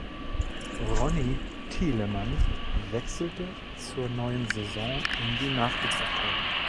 Ronny Thielemann wechselte zur neuen Saison in die Nachwuchsabteilung.